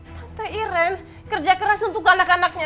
tante iran kerja keras untuk anak anaknya